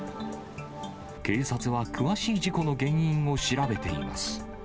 警察は詳しい事故の原因を調べています。